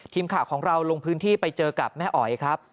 ทีมข่าวของเราลงพื้นที่ไปเจอกับแม่อ๋อยครับ